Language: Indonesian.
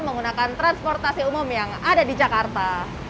menggunakan transportasi umum yang ada di jakarta